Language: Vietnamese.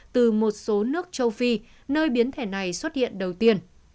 từ một số nước châu phi nơi biến thể này xuất hiện đầu tiên